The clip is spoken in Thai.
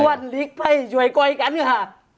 วันหลีกภัยช่วยก้อยกันค่ะ